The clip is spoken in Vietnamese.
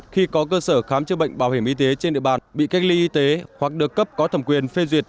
khi có cơ sở khám chữa bệnh bảo hiểm y tế trên địa bàn bị cách ly y tế hoặc được cấp có thẩm quyền phê duyệt